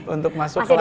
untuk masuk kelas